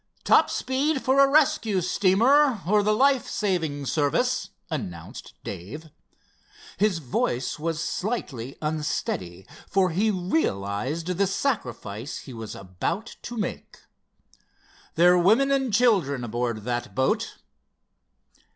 "Top speed for a rescue steamer, or the life saving service," announced Dave. His voice was slightly unsteady, for he realized the sacrifice he was about to make. "There're women and children aboard that boat."